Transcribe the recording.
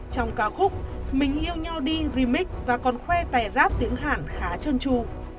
trong ca khúc mình yêu nhau đi remix và còn khoe tè rap tiếng hàn khá trơn tru